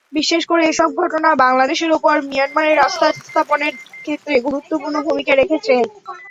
বিশেষ করে এসব ঘটনা বাংলাদেশের ওপর মিয়ানমারের আস্থা স্থাপনের ক্ষেত্রে গুরুত্বপূর্ণ ভূমিকা রেখেছে।